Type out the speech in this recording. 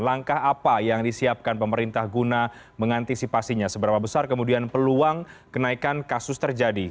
langkah apa yang disiapkan pemerintah guna mengantisipasinya seberapa besar kemudian peluang kenaikan kasus terjadi